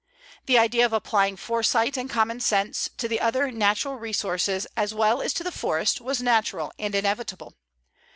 The idea of applying foresight and common sense to the other natural resources as well as to the forest was natural and inevitable.